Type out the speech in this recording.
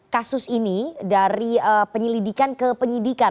kasus ini dari penyelidikan ke penyidikan